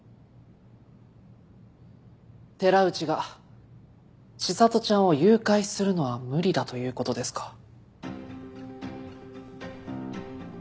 寺内が千里ちゃんを誘拐するのは無理だということですか。